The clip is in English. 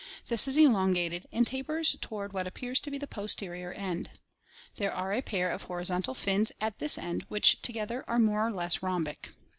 This is elongated and tapers toward what appears to be the posterior end. There are a pair of horizontal fins at this end which together are more or less rhombic.